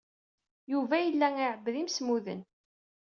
Yuba yella iɛebbed imsemmuden.